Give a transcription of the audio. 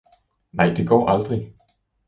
Nej, det går aldrig!